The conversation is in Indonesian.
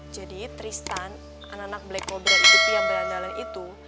jadi tristan anak anak black cobra itu pi yang berandalan itu